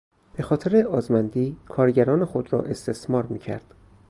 به خاطر آزمندی کارگران خود را استثمار میکرد.